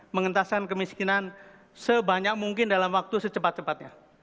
mengentaskan kemiskinan sebanyak mungkin dalam waktu secepat cepatnya